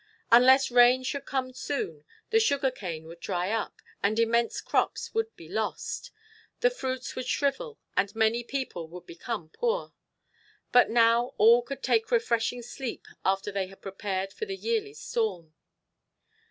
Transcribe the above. Unless rain should come soon, the sugar cane would dry up and immense crops would be lost. The fruits would shrivel and many people would become poor. But now all could take refreshing sleep after they had prepared for the yearly storm.